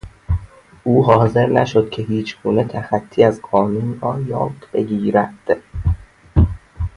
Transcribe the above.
او حاضر نشد که هیچگونه تخطی از قانون را نادیده بگیرد.